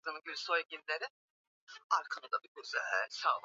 na Baraza Kuu la Kiyahudi kuwatafuta Wayahudi waliojiunga na Ukristo na